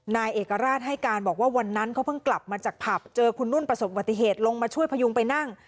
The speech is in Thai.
นายเอกราชให้การบอกว่าวันนั้นเขาเพิ่งกลับมาจากผับเจอคุณนุ่นประสบปฏิเหตุลงมาช่วยพยุงไปนั่ง